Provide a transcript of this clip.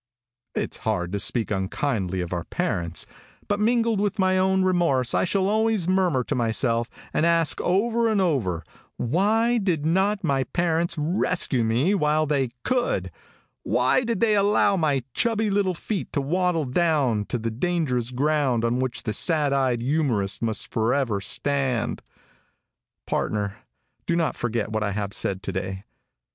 "It's hard to speak unkindly of our parents, but mingled with my own remorse I shall always murmur to myself, and ask over and over, why did not my parents rescue me while they could? Why did they allow my chubby little feet to waddle down to the dangerous ground on which the sad eyed youmorist must forever stand? "Partner, do not forget what I have said to day.